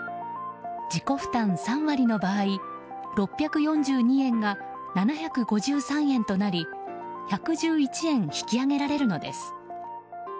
自己負担３割の場合６４２円が７５３円となり１１１円引き上げられるのです。